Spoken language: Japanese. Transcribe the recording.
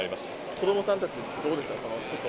子どもさんたち、どうでした？